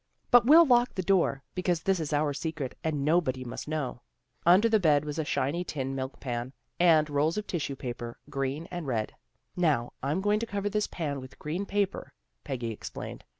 But we'll lock the door, because this is our secret and nobody must know." Under the bed was a shiny tin milk pan, and CHRISTMAS PREPARATIONS 173 rolls of tissue paper, green and red. " Now I'm going to cover this pan with green paper," Peggy explained.